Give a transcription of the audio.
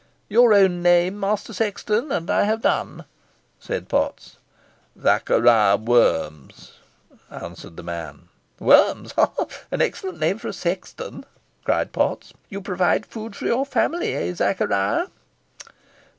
"Your own name, Master Sexton, and I have done?" said Potts. "Zachariah Worms," answered the man. "Worms ha! an excellent name for a sexton," cried Potts. "You provide food for your family, eh, Zachariah?"